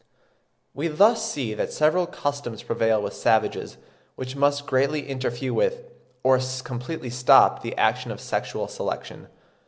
We thus see that several customs prevail with savages which must greatly interfere with, or completely stop, the action of sexual selection.